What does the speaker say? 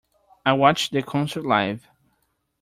I watched the concert live.